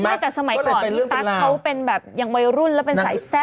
ไม่แต่สมัยก่อนพี่ตั๊กเขาเป็นแบบยังวัยรุ่นแล้วเป็นสายแซ่บ